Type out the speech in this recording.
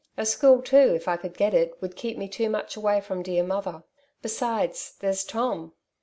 A school too, if I could get it, would keep me too much away from dear mother. Besides, there's Tom.